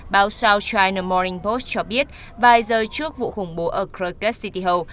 báo south china morning post cho biết vài giờ trước vụ khủng bố ở krakow city hall